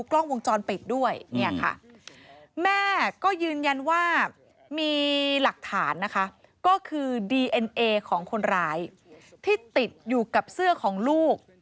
แล้วบางคนรายที่ติดอยู่กับเสื้อของลูก